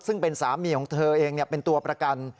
ซึ่งเป็นสามีของเธอเองเป็นตัวประกัน